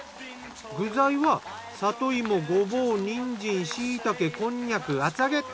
具材は里芋ごぼうにんじん椎茸こんにゃく厚揚げ。